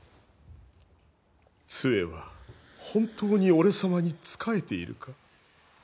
杖は本当に俺様に仕えているか？